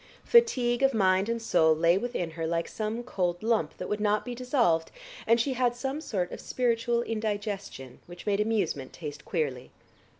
Fatigue of mind and soul lay within her like some cold lump that would not be dissolved and she had some sort of spiritual indigestion which made amusement taste queerly.